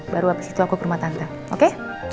baru abis itu aku ke rumah tante oke